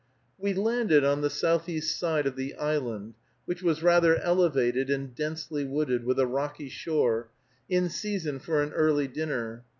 We landed on the southeast side of the island, which was rather elevated and densely wooded, with a rocky shore, in season for an early dinner.